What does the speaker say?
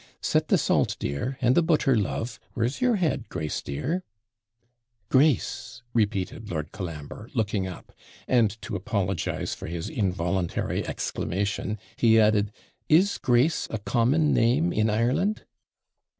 'Set the salt, dear; and the butter, love; where's your head, Grace, dear!' 'Grace!' repeated Lord Colambre, looking up; and, to apologise for his involuntary exclamation, he added, 'Is Grace a common name in Ireland?'